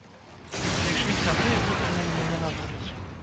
Прыйшлі сябры і выцягнулі мяне на вуліцу.